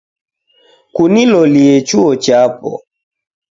Kunilolie chuo chapo